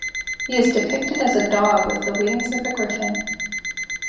He is depicted as a dog with the wings of a griffin.